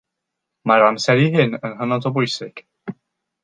Mae'r amseru hyn yn hynod o bwysig